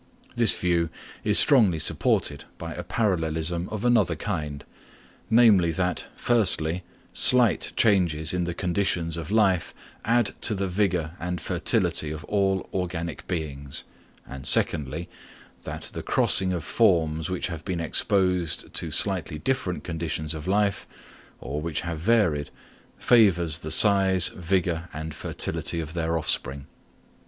This view is strongly supported by a parallelism of another kind: namely, that, firstly, slight changes in the conditions of life add to the vigour and fertility of all organic beings; and secondly, that the crossing of forms, which have been exposed to slightly different conditions of life, or which have varied, favours the size, vigour and fertility of their offspring.